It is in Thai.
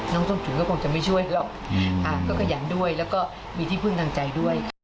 ต้นฉุนก็คงจะไม่ช่วยหรอกก็ขยันด้วยแล้วก็มีที่พึ่งทางใจด้วย